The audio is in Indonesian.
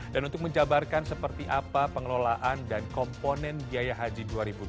dan untuk menjabarkan seperti apa pengelolaan dan komponen biaya haji dua ribu dua puluh tiga